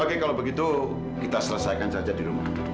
apalagi kalau begitu kita selesaikan saja di rumah